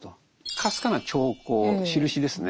かすかな兆候しるしですね